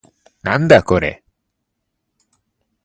なんだこれ